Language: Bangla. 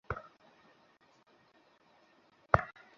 মুঠোফোনে ছবি তোলার চেষ্টা করলে মুঠোফোন ভেঙে ফেলার হুমকি দেন তাঁরা।